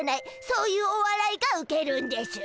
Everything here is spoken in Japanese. そういうおわらいがウケるんでしゅ。